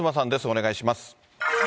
お願いします。